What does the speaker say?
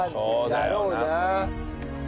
だろうな。